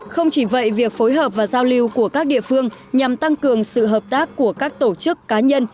không chỉ vậy việc phối hợp và giao lưu của các địa phương nhằm tăng cường sự hợp tác của các tổ chức cá nhân